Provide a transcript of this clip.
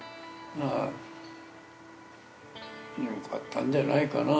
まあよかったんじゃないかな